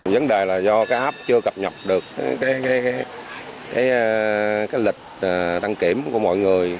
vấn đề là do cái app chưa cập nhập được cái lịch đăng kiểm của mọi người